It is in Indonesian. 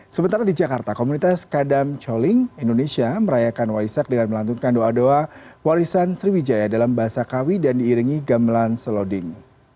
sementara di jakarta komunitas kadam coling indonesia merayakan waisak dengan melantunkan doa doa warisan sriwijaya dalam bahasa kawi dan diiringi gamelan seloding